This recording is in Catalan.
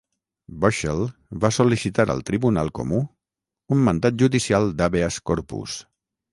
Bushel va sol·licitar al tribunal comú un mandat judicial d'"habeas corpus".